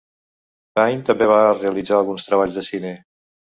Payn també va realitzar alguns treballs de cine.